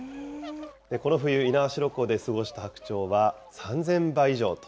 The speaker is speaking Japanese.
この冬、猪苗代湖で過ごした白鳥は３０００羽以上と。